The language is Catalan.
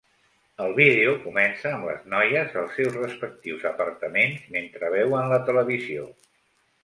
El vídeo comença amb les noies als seus respectius apartaments mentre veuen la televisió.